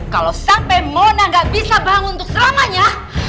kalau sampai mona nggak bisa bangun untuk selamanya